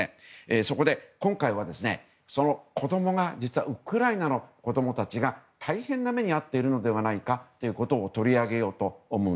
そこで、今回は実はウクライナの子供たちが大変な目に遭っているのではないかということを取り上げます。